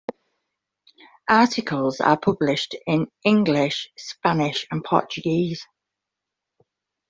Articles are published in English, Spanish, or Portuguese.